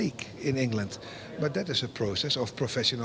tapi itu adalah proses pemain di sejarah bola profesional